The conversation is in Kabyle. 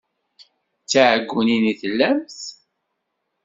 D tiɛeggunin i tellamt?